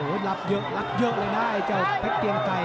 โอ้โหรับเยอะรับเยอะเลยได้เจ้าเป็ดเกียงไก่